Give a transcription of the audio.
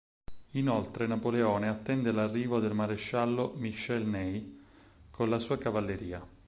Inoltre Napoleone attende l'arrivo del maresciallo Michel Ney, con la sua cavalleria.